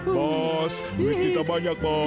bos duit kita banyak bos